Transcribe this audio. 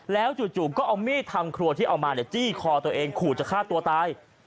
แล้วจู่ก็เอามีดทำครัวที่เอามาจี้คอตัวเองขู่จะฆ่าตัวตาย